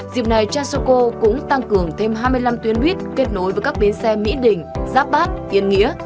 dịp này trang soko cũng tăng cường thêm hai mươi năm tuyến buýt kết nối với các bến xe mỹ đình giáp bắc yên nghĩa